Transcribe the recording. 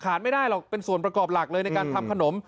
ไม่ได้หรอกเป็นส่วนประกอบหลักเลยในการทำขนม